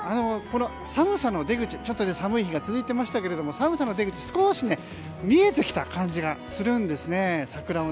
この寒さの出口、寒い日が続いていましたが寒さの出口が少し見えてきた感じがするんです。